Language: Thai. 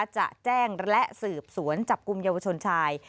จะแจ้งและสืบสวนจับกลุ่มเยาวชนชาย